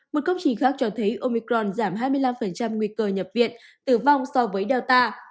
một công trình khác cho thấy omicron giảm hai mươi năm nguy cơ nhập viện tử vong so với data